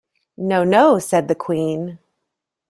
‘No, no!’ said the Queen.